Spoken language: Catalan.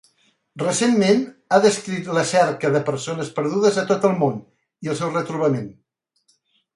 Recentment ha descrit la cerca de persones perdudes a tot el món i el seu retrobament.